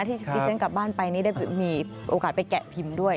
ที่ทีเซสกกลับบ้านไปได้มีโอกาสไปแกะพิมพ์ด้วย